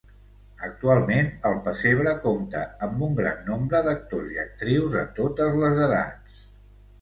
Actualment, el pessebre compta amb un gran nombre d'actors i actrius de totes les edats.